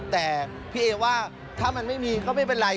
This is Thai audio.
แต่พี่เอว่าถ้ามันไม่มีก็ไม่เป็นไร